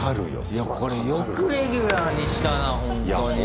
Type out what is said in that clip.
いやこれよくレギュラーにしたなほんとに。